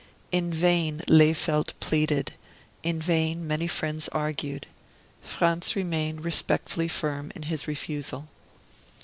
In vain Lehfeldt pleaded, in vain many friends argued. Franz remained respectfully firm in his refusal.